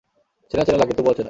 চেনা চেনা লাগে, তবুও অচেনা।